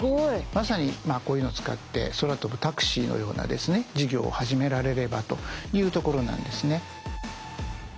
まさにこういうのを使って空飛ぶタクシーのような事業を始められればというところなんですね。